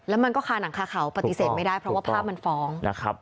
แล้วมันก็คาหนังคาเขาปฏิเสธไม่ได้เพราะว่าภาพมันฟ้องนะครับ